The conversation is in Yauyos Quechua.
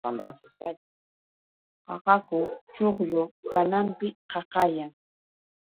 Qaqaku chuqllu hananpi qaqayan.